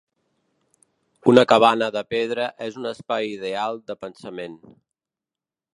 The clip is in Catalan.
Una cabana de pedra és un espai ideal de pensament.